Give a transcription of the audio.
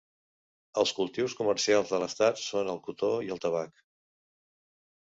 Els cultius comercials de l"estat són el cotó i el tabac.